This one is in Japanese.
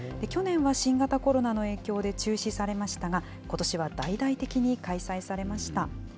去年は新型コロナの影響で中止されましたが、ことしは大々的に開催されました。